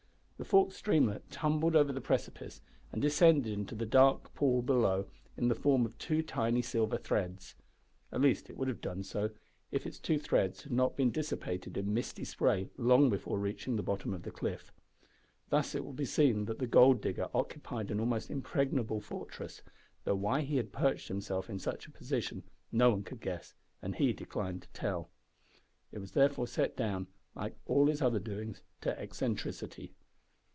The forked streamlet tumbled over the precipice and descended into the dark pool below in the form of two tiny silver threads. At least it would have done so if its two threads had not been dissipated in misty spray long before reaching the bottom of the cliff. Thus it will be seen that the gold digger occupied an almost impregnable fortress, though why he had perched himself in such a position no one could guess, and he declined to tell. It was therefore set down, like all his other doings, to eccentricity.